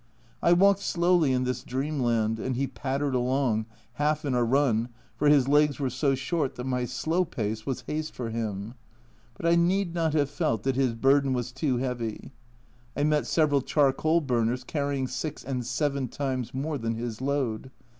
I walked slowly in this dreamland, and he pattered along, half in a run, for his legs were so short that my slow pace was haste for him. But I need not have felt that his burden was too heavy, I met several charcoal burners carrying six and seven times more than his load.